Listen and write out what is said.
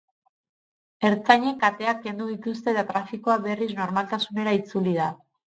Ertzainek kateak kendu dituzte eta trafikoa berriz normaltasunera itzuli da.